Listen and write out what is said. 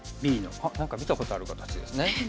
あっ何か見たことある形ですね。